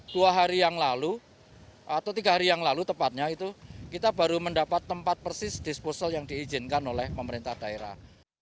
dua hari yang lalu atau tiga hari yang lalu tepatnya itu kita baru mendapat tempat persis disposal yang diizinkan oleh pemerintah daerah